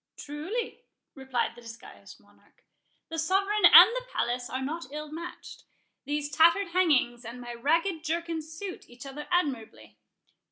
"Truly," replied the disguised Monarch, "the sovereign and the palace are not ill matched;—these tattered hangings and my ragged jerkin suit each other admirably.